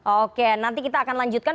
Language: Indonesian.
oke nanti kita akan lanjutkan